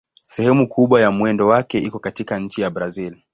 Sehemu kubwa ya mwendo wake iko katika nchi ya Brazil.